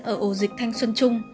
ở ổ dịch thanh xuân trung